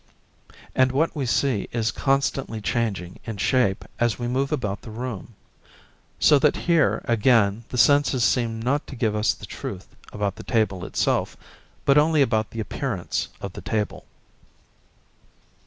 And what we see is constantly changing in shape as we move about the room; so that here again the senses seem not to give us the truth about the table itself, but only about the appearance of the table.